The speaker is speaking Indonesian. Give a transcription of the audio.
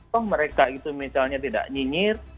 toh mereka itu misalnya tidak nyinyir